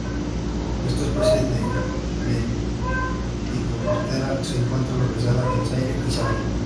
Esta especie de Lepidoptera se encuentra localizada en Zaire y Zambia.